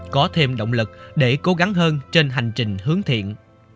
có thêm động lực để cố gắng hơn trên hành trình hướng thiện